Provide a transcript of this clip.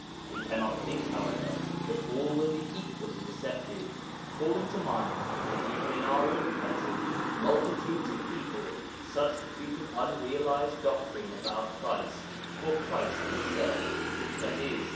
We cannot think, however, that all will be equally receptive, calling to mind that even in our own country multitudes of people substitute an unrealized doctrine about Christ for Christ Himself (i.e.